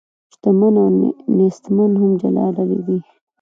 شتمن او نیستمن هم جلا ډلې دي.